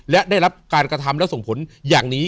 และได้รับการกระทำและส่งผลอย่างนี้